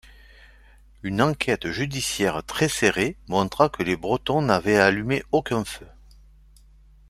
Une enquête judiciaire très serrée montra que les Bretons n'avaient allumé aucun feu.